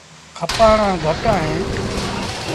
کپآڻآن گھٽ اهيݩ۔